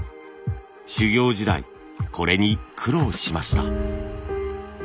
修業時代これに苦労しました。